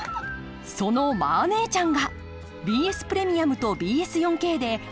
その「マー姉ちゃん」がＢＳプレミアムとＢＳ４Ｋでアンコール放送！